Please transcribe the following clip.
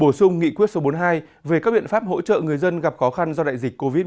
bổ sung nghị quyết số bốn mươi hai về các biện pháp hỗ trợ người dân gặp khó khăn do đại dịch covid một mươi chín